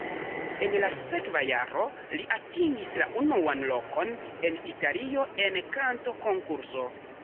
En la sekva jaro li atingis la unuan lokon en Italio en kantokonkurso.